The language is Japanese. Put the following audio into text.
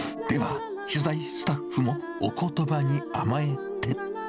では、取材スタッフもおことばに甘えて。